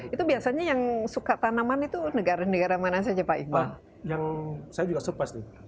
itu biasanya yang suka tanaman itu negara negara mana saja pak iqbal yang saya juga surprise